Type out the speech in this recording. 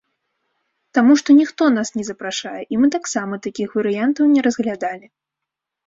Таму што ніхто нас не запрашае, і мы таксама такіх варыянтаў не разглядалі.